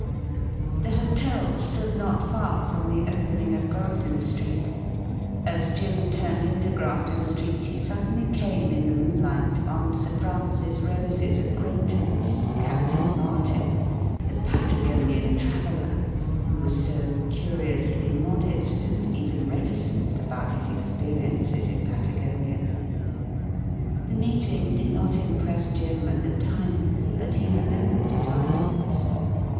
The hotel stood not far from the opening of Grafton Street. As Jim turned into Grafton Street, he suddenly came in the moonlight on Sir Francis Rose's acquaintance, Captain Martin, the Patagonian traveller, who was so curiously modest, and even reticent, about his experiences in Patagonia. The meeting did not impress Jim at the time, but he remembered it afterwards.